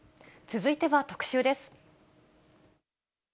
続いては特集です。